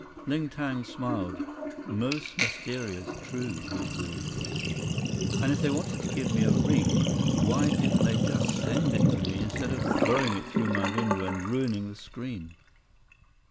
Ling Tang smiled. "Most mysterious, true," he agreed. "And if they wanted to give me a ring, why didn't they just send it to me, instead of throwing it through my window and ruining the screen?"